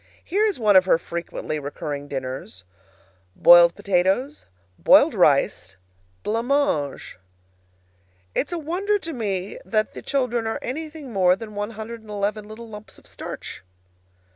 Here is one of her frequently recurring dinners: Boiled potatoes Boiled rice Blanc mange It's a wonder to me that the children are anything more than one hundred and eleven little lumps of starch.